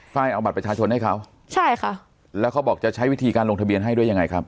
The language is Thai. ไฟล์เอาบัตรประชาชนให้เขาใช่ค่ะแล้วเขาบอกจะใช้วิธีการลงทะเบียนให้ด้วยยังไงครับ